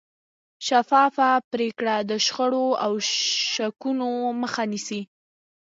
شفافه پرېکړې د شخړو او شکونو مخه نیسي